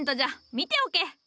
見ておけ。